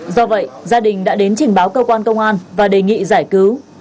do vậy gia đình đã đến trình báo cơ quan công an và đề nghị giải cứu